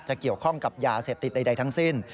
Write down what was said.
เกี่ยวข้องกับยาเสพติดใดทั้งสิ้น